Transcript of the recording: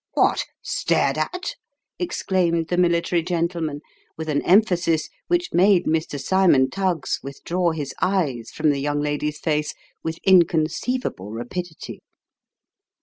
" What ? stared at ?" exclaimed the military gentleman, with an emphasis which made Mr. Cymon Tuggs withdraw his eyes from the young lady's face with inconceivable rapidity.